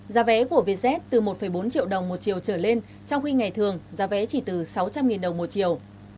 giá vé của vietjet từ một bốn triệu đồng một triệu trở lên trong khi ngày thường giá vé chỉ từ sáu trăm linh đồng một triệu